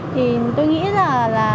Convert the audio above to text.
thì tôi nghĩ là